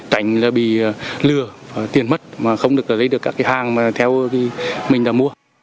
cảnh là bị lừa và tiền mất mà không được lấy được các cái hàng mà theo mình là mua